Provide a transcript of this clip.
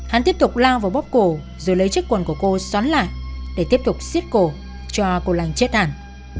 hắn tiếp tục lao vào bóp cổ rồi lấy chiếc quần của cô xoắn lại để tiếp tục xiết cổ cho cô lanh chết hẳn